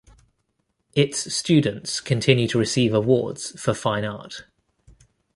Its students continue to receive awards for fine art.